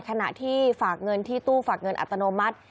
ขณะที่ฝากเงินที่ตู้ฝากเงินอัตโนมัติ